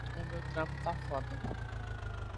O meu trampo tá foda